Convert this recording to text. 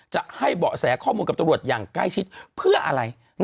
จะให้เบาะแสข้อมูลกับตำรวจอย่างใกล้ชิดเพื่ออะไร